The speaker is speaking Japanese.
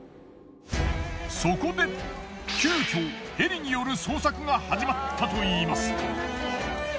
そこで急遽ヘリによる捜索が始まったと言います。